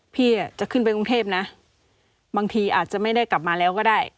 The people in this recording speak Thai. พี่จะขึ้นไปกรุงเทพนะบางทีอาจจะไม่ได้กลับมาแล้วก็ได้